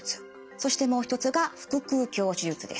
そしてもう一つが腹腔鏡手術です。